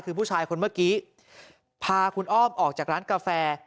คือผู้ชายคนเมื่อกี้พาคุณอ้อมออกจากร้านกาแฟ